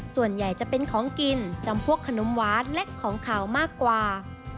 ส่วนใหญ่จะเป็นของกินจำพวกขนมหวานและของขาวมากกว่า